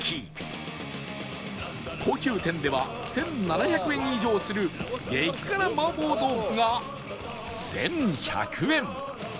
高級店では１７００円以上する激辛麻婆豆腐が１１００円